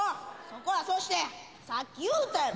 そこはそうしてさっき言うた」